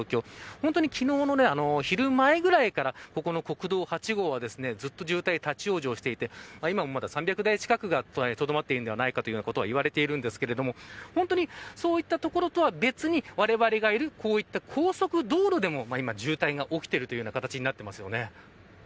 本当に昨日の昼前ぐらいからここの国道８号はずっと渋滞、立ち往生していて今も、まだ３００台近くがとどまっているんではないかと言われていますが本当にそういった所とは別にわれわれがいるこういった高速道路でも今、渋滞が起きている形になっています。